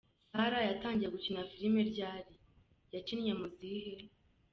Sarah yatangiye gukina filime ryari, yakinnye mu zihe?.